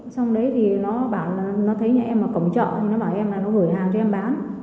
xong đấy thì nó thấy nhà em ở cổng chợ thì nó bảo em là nó gửi hàng cho em bán